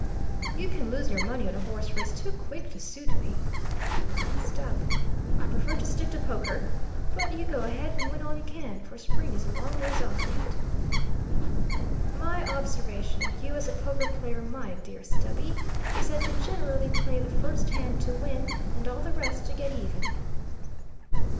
"You can lose your money on a horse race too quick to suit me," replied Stubb. "I prefer to stick to poker; but you go ahead and win all you can, for spring is a long ways off yet." "My observation of you as a poker player, my dear Stubby, is that you generally play the first hand to win and all the rest to get even."